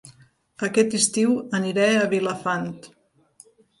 Aquest estiu aniré a Vilafant